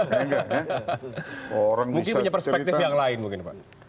mungkin punya perspektif yang lain mungkin pak